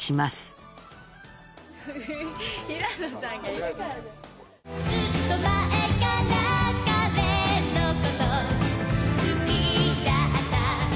「ずっと前から彼のこと好きだった」